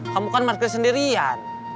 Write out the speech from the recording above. kamu kan parkir sendirian